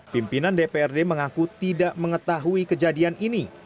pimpinan dprd mengaku tidak mengetahui kejadian ini